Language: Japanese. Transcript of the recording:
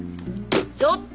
ちょっと！